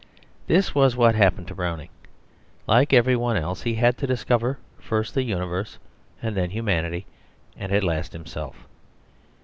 This was what happened to Browning; like every one else, he had to discover first the universe, and then humanity, and at last himself.